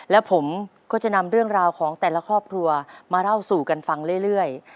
และผมก็จะนำเรื่องราวของแต่ละครอบครัวมาเล่าสู่กันฟังเรื่อย